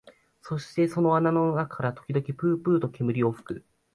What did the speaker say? そうしてその穴の中から時々ぷうぷうと煙を吹く